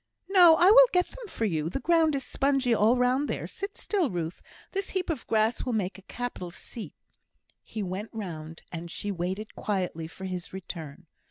"No; I will get them for you. The ground is spongy all round there. Sit still, Ruth; this heap of grass will make a capital seat." He went round, and she waited quietly for his return.